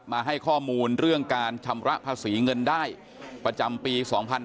มาให้ข้อมูลเรื่องการชำระภาษีเงินได้ประจำปี๒๕๕๙